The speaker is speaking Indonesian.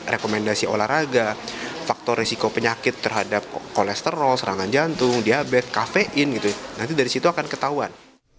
rekomendasi olahraga faktor risiko penyakit terhadap kolesterol serangan jantung diabetes kafein gitu nanti dari situ akan ketahuan